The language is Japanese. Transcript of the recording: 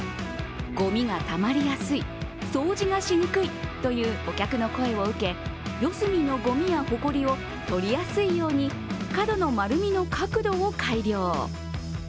ごみがたまりやすい、掃除がしにくいというお客の声を受け四隅のごみやほこりをとりやすいように、角の丸みの角度を改良。